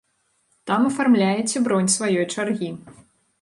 Там афармляеце бронь сваёй чаргі.